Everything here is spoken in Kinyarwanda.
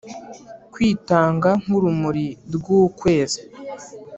kwitanga nk'urumuri rw'ukwezi